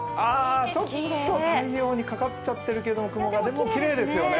ちょっと微妙にかかっちゃってるけどきれいですよね。